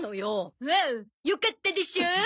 おおっよかったでしょ？